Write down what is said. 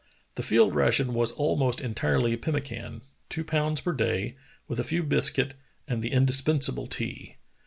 The field ration was almost en tirely pemmican, two pounds per day, with a few bis cuit and the indispensable tea.